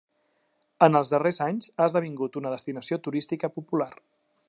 En els darrers anys ha esdevingut una destinació turística popular.